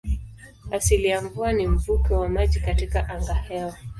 Asili ya mvua ni mvuke wa maji katika angahewa.